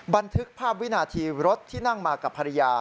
บันทึกภาพวินาทีรถที่นั่งมากับภรรยา